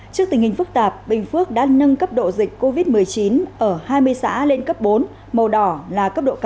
trước tình hình phức tạp bình phước đã nâng cấp độ dịch covid một mươi chín ở hai mươi xã lên cấp bốn